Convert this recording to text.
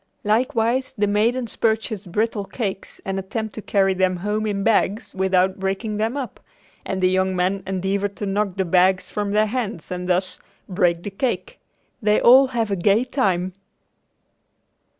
Likewise the maidens purchase brittle cakes and attempt to carry them home in bags without breaking them up, and the young men endeavor to knock the bags from their hands and thus, "break the cake." They all have a gay time.